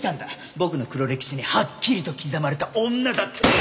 僕の黒歴史にはっきりと刻まれた女だって！